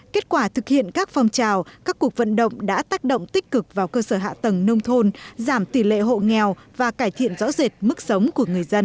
kết quả thực hiện các phong trào các cuộc vận động đã tác động tích cực vào cơ sở hạ tầng nông thôn giảm tỷ lệ hộ nghèo và cải thiện rõ rệt mức sống của người dân